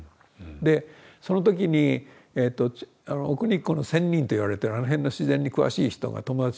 でその時に奥日光の仙人といわれてるあの辺の自然に詳しい人が友達にいまして。